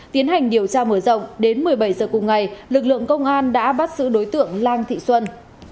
tiến hành điều tra mở rộng đến một mươi bảy h cùng ngày lực lượng công an đã bắt giữ đối tượng lan thị xuân